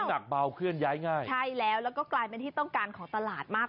หนักเบาเคลื่อนย้ายง่ายใช่แล้วแล้วก็กลายเป็นที่ต้องการของตลาดมาก